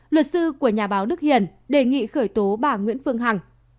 luật sư của nhà báo đức hiền đề nghị khởi tố bà nguyễn phương hằng